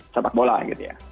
sepak bola gitu ya